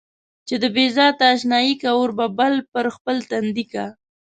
چې د بې ذاته اشنايي کا اور به بل پر خپل تندي کا.